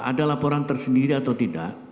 ada laporan tersendiri atau tidak